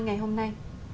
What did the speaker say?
ngày hôm nay